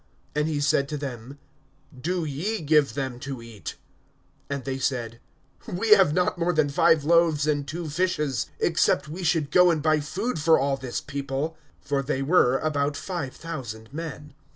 (13)And he said to them: Do ye give them to eat. And they said: We have not more than five loaves and two fishes; except we should go and buy food for all this people. (14)For they were about five thousand men.